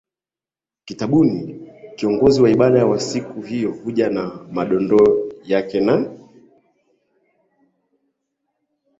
kitabuni kiongozi wa ibada wa siku hiyo huja na madondoo yake na